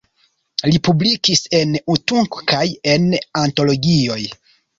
Li publikis en Utunk kaj en antologioj.